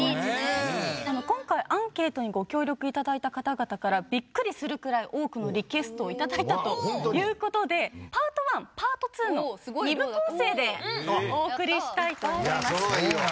今回アンケートにご協力いただいた方々からびっくりするくらい多くのリクエストを頂いたということでパート１パート２の２部構成でお送りしたいと思います。